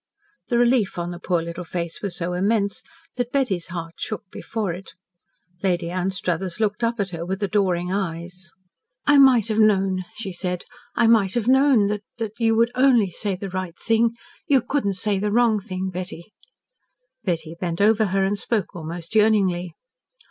The relief in the poor little face was so immense that Betty's heart shook before it. Lady Anstruthers looked up at her with adoring eyes. "I might have known," she said; "I might have known that that you would only say the right thing. You couldn't say the wrong thing, Betty." Betty bent over her and spoke almost yearningly.